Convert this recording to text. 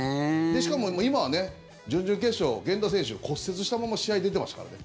しかも今は、準々決勝源田選手、骨折したまま試合に出てましたからね。